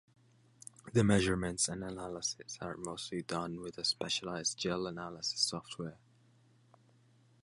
The measurement and analysis are mostly done with a specialized gel analysis software.